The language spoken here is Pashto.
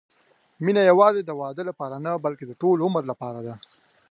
مینه یوازې د واده لپاره نه، بلکې د ټول عمر لپاره ده.